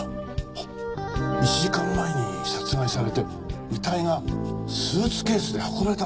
あっ１時間前に殺害されて遺体がスーツケースで運ばれたのか。